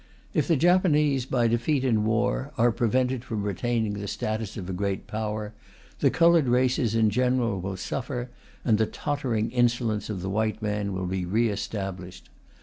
If the Japanese, by defeat in war, are prevented from retaining the status of a Great Power, the coloured races in general will suffer, and the tottering insolence of the white man will be re established.